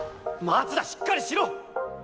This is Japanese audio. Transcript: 松田しっかりしろ！